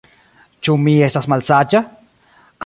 Ĉu mi estas malsaĝa?